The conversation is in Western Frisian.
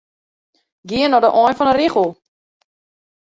Gean nei de ein fan 'e rigel.